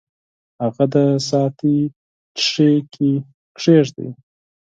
هغه د ساعتي ښيښې کې کیږدئ.